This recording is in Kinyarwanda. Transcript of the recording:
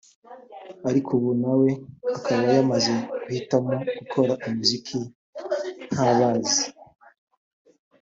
ariko ubu nawe akaba yamaze guhitamo gukora umuziki nk’akazi